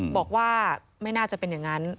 บอกว่าไม่น่าจะเป็นอย่างนั้น